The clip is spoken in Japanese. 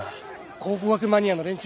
考古学マニアの連中です。